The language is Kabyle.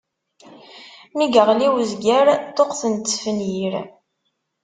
Mi iɣli uzger, ṭṭuqqtent tferyin.